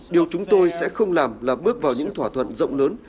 điều chúng tôi sẽ không làm là bước vào những thỏa thuận rộng lớn